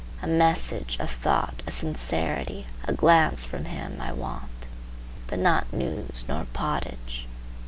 A message, a thought, a sincerity, a glance from him, I want, but not news, nor pottage.